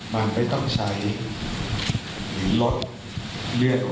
มันไม่ต้องใช้หรือลดเลือด